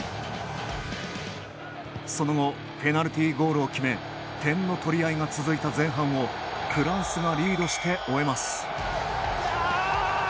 その後ペナルティーゴールを決め点の取り合いが続いた前半をフランスがリードして終えます。